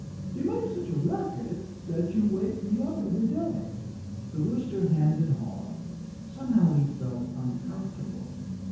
You make such a racket that you wake me up every day." The Booster hemmed and hawed. Somehow he felt uncomfortable.